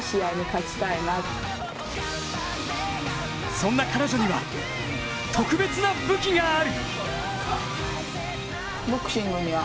そんな彼女には特別な武器がある。